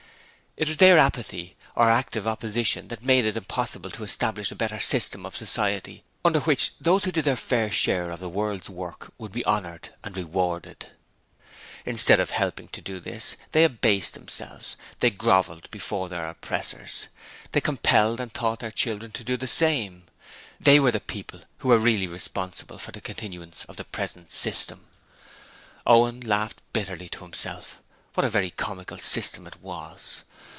It was their apathy or active opposition that made it impossible to establish a better system of society under which those who did their fair share of the world's work would be honoured and rewarded. Instead of helping to do this, they abased themselves, and grovelled before their oppressors, and compelled and taught their children to do the same. THEY were the people who were really responsible for the continuance of the present system. Owen laughed bitterly to himself. What a very comical system it was.